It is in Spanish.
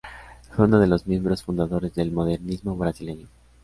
Fue uno de los miembros fundadores del modernismo brasileño.